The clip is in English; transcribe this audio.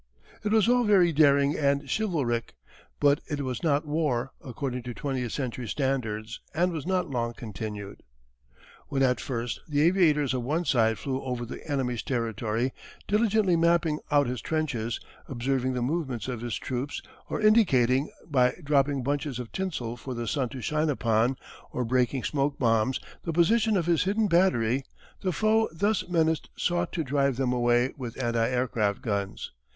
It was all very daring and chivalric, but it was not war according to twentieth century standards and was not long continued. [Illustration: © U. & U. A Caproni Triplane.] When at first the aviators of one side flew over the enemy's territory diligently mapping out his trenches, observing the movements of his troops, or indicating, by dropping bunches of tinsel for the sun to shine upon or breaking smoke bombs, the position of his hidden battery, the foe thus menaced sought to drive them away with anti aircraft guns.